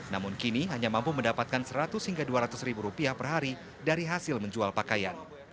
namun kini hanya mampu mendapatkan seratus hingga dua ratus ribu rupiah per hari dari hasil menjual pakaian